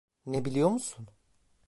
Ne biliyor musun?